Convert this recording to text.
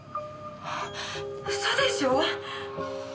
嘘でしょう！？